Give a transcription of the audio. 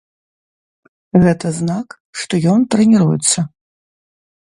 Гэта знак, што ён трэніруецца.